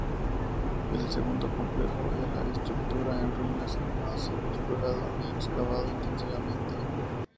El segundo complejo, otra estructura en ruinas, no ha sido explorado ni excavado intensivamente.